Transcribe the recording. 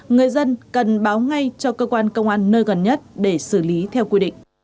người dân cần báo ngay cho cơ quan công an nơi gần nhất để xử lý theo quy định